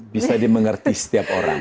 bisa dimengerti setiap orang